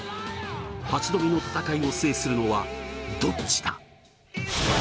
８度目の戦いを制するのはどっちだ！